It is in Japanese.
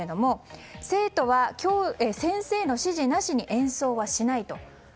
生徒は先生の指示なしに演奏はしないと。